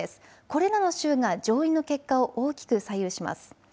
これらの州が上院の結果を大きく左右します。